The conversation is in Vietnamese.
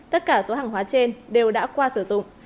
tất cả số hàng hóa trên đều đã qua sử dụng